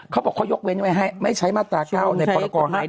เขาบอกเขายกเว้นไว้ให้ไม่ใช้มาตรา๙ในพรกร๕๗